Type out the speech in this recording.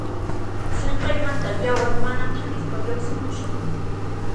Sinqaymanta yawar mana thanispa lluqsimushan.